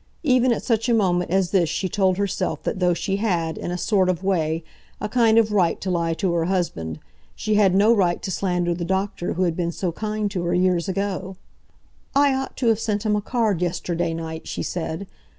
Even at such a moment as this she told herself that though she had, in a sort of way, a kind of right to lie to her husband, she had no sight to slander the doctor who had been so kind to her years ago. "I ought to have sent him a card yesterday night," she said.